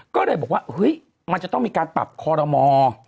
ก็เลยบอกว่ามันจะต้องมีการปรับคอลโรมอล์